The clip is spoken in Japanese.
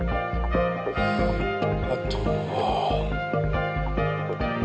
あとは。